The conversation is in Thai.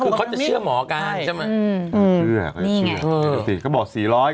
คุณปราจจะเชื่อหมอการใช่มะ